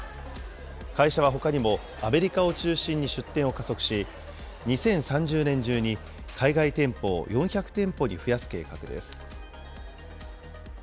会社はほかにもアメリカを中心に出店を加速し、２０３０年中に、海外店舗を４００店舗に増やす計画です。